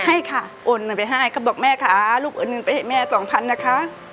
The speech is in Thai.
ให้ค่ะโอนเงินไปให้เขาบอกแม่ค่ะลูกโอนเงินไปให้แม่สองพันนะคะ